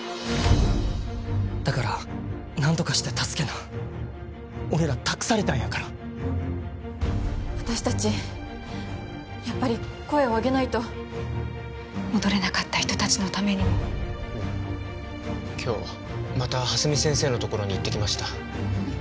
だから何とかして助けな俺ら託されたんやから私達やっぱり声を上げないと戻れなかった人達のためにも今日また蓮見先生のところに行ってきましたえっ？